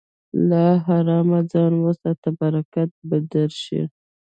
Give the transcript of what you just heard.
له حرامه ځان وساته، برکت به درشي.